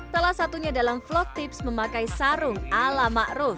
salah satunya dalam vlog tips memakai sarung ala ma'ruf